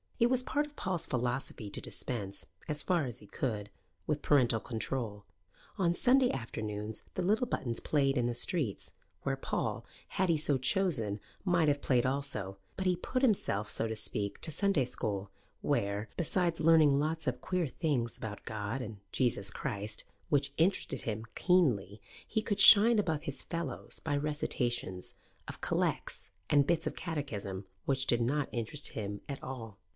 It was part of Paul's philosophy to dispense, as far as he could, with parental control. On Sunday afternoons the little Buttons played in the streets, where Paul, had he so chosen, might have played also: but he put himself, so to speak, to Sunday school, where, besides learning lots of queer things about God and Jesus Christ which interested him keenly, he could shine above his fellows by recitations of collects and bits of Catechism, which did not interest him at all.